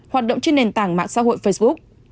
hoạt động trên nền tảng mạng xã hội facebook